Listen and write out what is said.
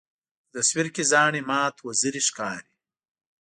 په تصویر کې زاڼې مات وزرې ښکاري.